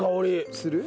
する？